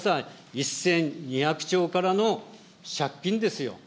１２００兆からの借金ですよ。